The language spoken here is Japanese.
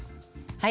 はい。